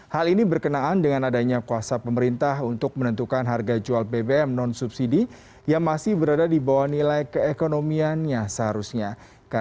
hal ini berkenaan dengan adanya kuasa pemerintah untuk menentukan harga jual bbm non subsidi yang masih berada di bawah nilai keekonomiannya seharusnya